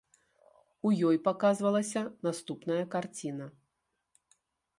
У ёй паказвалася наступная карціна.